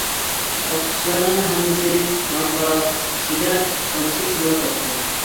ئوقۇتقۇچىلارنىڭ ھەممىسى ماڭا قاراپ ئىچىدە پىخىلدىشىپ كۈلۈۋاتاتتى.